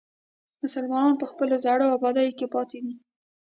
مسلمانان په خپلو زړو ابادیو کې پاتې دي.